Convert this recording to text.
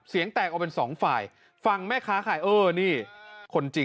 เสียงแตกเอาเป็นสองฝ่ายฟังแม่ค้าไข่เออนี่